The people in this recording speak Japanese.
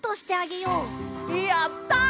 やった！